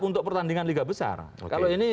untuk pertandingan liga besar kalau ini